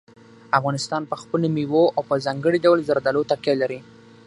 افغانستان په خپلو مېوو او په ځانګړي ډول زردالو تکیه لري.